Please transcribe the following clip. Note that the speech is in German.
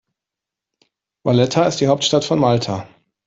Valletta ist die Hauptstadt von Malta.